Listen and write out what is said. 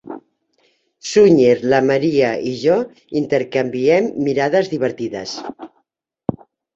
Sunyer la Maria i jo intercanviem mirades divertides.